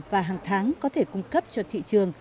và hàng tháng có thể cung cấp cho thị trường